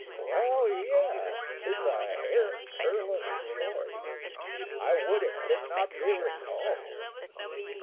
"_) Well, yes, 'tis a hair curlin' story I would it could not be recalled.